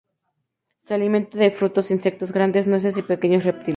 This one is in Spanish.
Se alimenta de frutos, insectos grandes, nueces y pequeños reptiles.